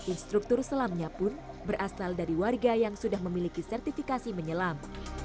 instruktur selamnya pun berasal dari warga yang sudah memiliki sertifikasi menyelam